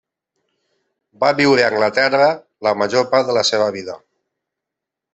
Va viure a Anglaterra la major part de la seva vida.